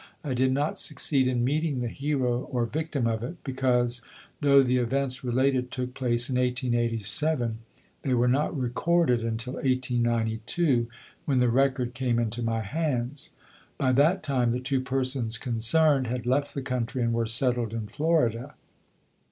I did not succeed in meeting the hero, or victim of it, because, though the events related took place in 1887, they were not recorded until 1892, when the record came into my hands. By that time the two persons concerned had left the country and were settled in Florida.